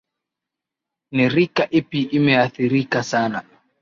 ni rika ipi imeathirika sana